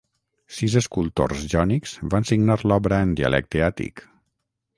Sis escultors jònics van signar l'obra en dialecte àtic.